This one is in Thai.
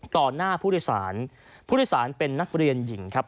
หน้าผู้โดยสารผู้โดยสารเป็นนักเรียนหญิงครับ